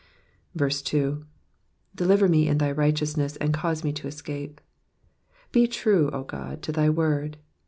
2. *•'' Deliver me in thy rigMeousness, and cause me to escape.'*'' Be true, O God, to thy word.